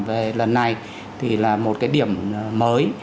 về lần này thì là một điểm mới